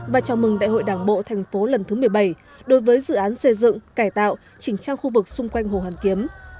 và chào mừng đại hội đảng bộ thành phố lần thứ một mươi bảy đối với dự án xây dựng cải tạo chỉnh trang khu vực xung quanh hồ hoàn kiếm